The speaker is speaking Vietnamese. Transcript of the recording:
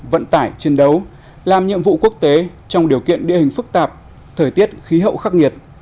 vận tải chiến đấu làm nhiệm vụ quốc tế trong điều kiện địa hình phức tạp thời tiết khí hậu khắc nghiệt